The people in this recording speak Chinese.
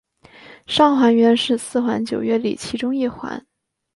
上环原是四环九约里其中一环。